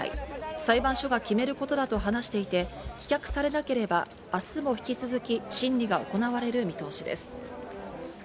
裁判所が決めることだと話していて、棄却されなければ明日も引き続き審理が行われる見通しです。